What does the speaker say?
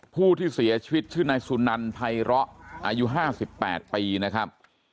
ผู้ที่เสียชีวิตชื่อนายสุนันไพร้ออายุ๕๘ปีนะครับ